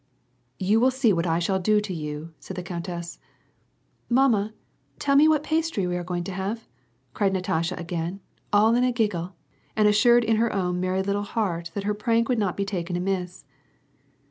" You wiU see what I shall do to you," said the countess. "Mamma! tell me what pastry are we going to have?" cried Natasha again, all in a giggle, and assured in her own merry little heart that her prank would not be taken amiss.